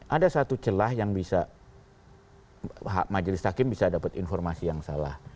ada satu celah yang bisa majelis hakim bisa dapat informasi yang salah